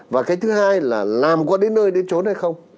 và cái thứ hai là làm có đến nơi đến trốn hay không